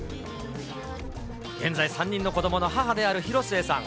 現在３人の子どもの母である広末さん。